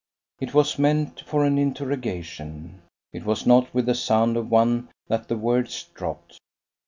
It was meant for an interrogation; it was not with the sound of one that the words dropped.